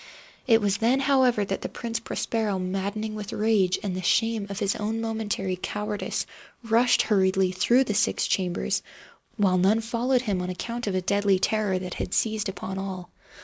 It was then, however, that the Prince Prospero, maddening with rage and the shame of his own momentary cowardice, rushed hurriedly through the six chambers, while none followed him on account of a deadly terror that had seized upon all.